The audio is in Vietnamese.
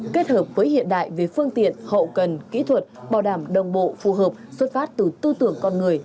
kết hợp với hiện đại về phương tiện hậu cần kỹ thuật bảo đảm đồng bộ phù hợp xuất phát từ tư tưởng con người